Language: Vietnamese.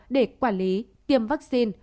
để quản lý tiêm vaccine